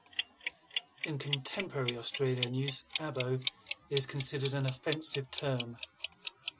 In contemporary Australian use 'Abo' is considered an offensive term.